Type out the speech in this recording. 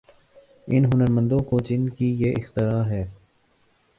ان ہنرمندوں کو جن کی یہ اختراع ہے۔